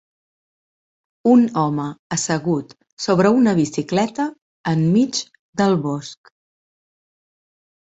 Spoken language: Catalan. Un home assegut sobre una bicicleta enmig del bosc